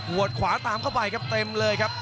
วดขวาตามเข้าไปครับเต็มเลยครับ